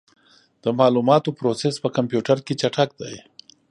د معلوماتو پروسس په کمپیوټر کې چټک دی.